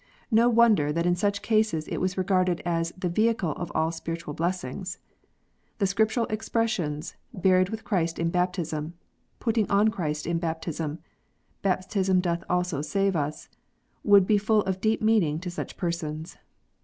ISTo wonder that in such cases it was regarded as the vehicle of all spiritual blessings. The Scriptural expressions, "buried with Christ in baptism" "putting on Christ in baptism" "baptism doth also save us" would be full of deep meaning to such persons.